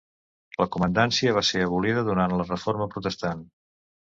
La comandància va ser abolida durant la Reforma Protestant.